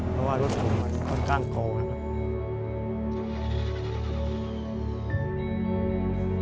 เพราะว่ารถผมมันค่อนข้างโกนะครับ